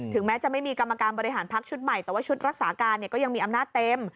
แม้จะไม่มีกรรมการบริหารพักชุดใหม่แต่ว่าชุดรักษาการก็ยังมีอำนาจเต็ม